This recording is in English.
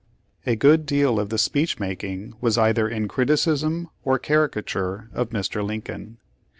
A good deal of the speech making was either in criticism or caricature of Mr. Lincoln.